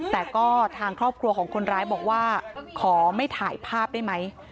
แต่ก็ทางครอบครัวของคนร้ายบอกว่าขอไม่ถ่ายภาพได้ไหม